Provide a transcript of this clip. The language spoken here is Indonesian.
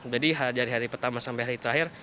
jadi dari hari pertama sampai hari terakhir